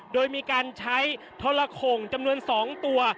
โดยมีการใช้ทรโข่งจำนวน๒ตัว